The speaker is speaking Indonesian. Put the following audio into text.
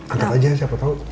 angkat aja siapa tau